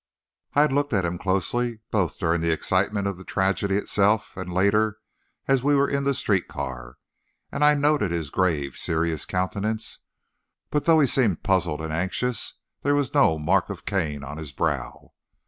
I had looked at him closely both during the excitement of the tragedy itself, and later, as we were in the street car, and I noted his grave, serious countenance, but though he seemed puzzled and anxious, there was no mark of Cain on his brow.